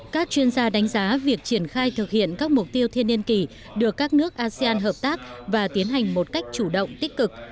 các chuyên gia đánh giá việc triển khai thực hiện các mục tiêu thiên niên kỷ được các nước asean hợp tác và tiến hành một cách chủ động tích cực